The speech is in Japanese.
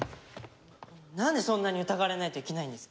なんでそんなに疑われないといけないんですか！？